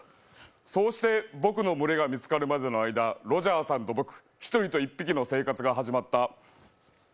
そうして、僕の群れが見つかるまでの間、メジャーさんと僕、ロジャーさんと僕１人と１匹の生活が始まった。